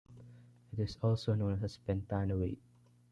It is also known as pentanoate.